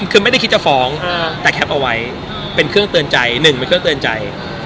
คือไม่ได้คิดจะฟ้องแต่แคปเอาไว้เป็นเครื่องเตือนใจหนึ่งเป็นเครื่องเตือนใจ